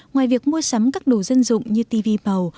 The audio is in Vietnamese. ngoài việc mua sắm các đồ dân dụng như tv màu